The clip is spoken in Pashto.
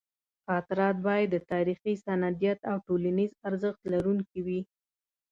خاطرات باید د تاریخي سندیت او ټولنیز ارزښت لرونکي وي.